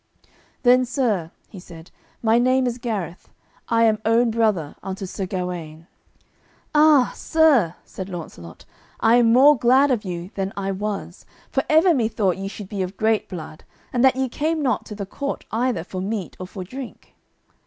"Then, sir," he said, "my name is Gareth; I am own brother unto Sir Gawaine." "Ah! sir," said Launcelot, "I am more glad of you than I was, for ever me thought ye should be of great blood, and that ye came not to the court either for meat or for drink."